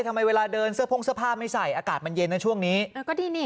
ทำไมเวลาเดินเสื้อโพ่งเสื้อผ้าไม่ใส่อากาศมันเย็นนะช่วงนี้เออก็ดีนี่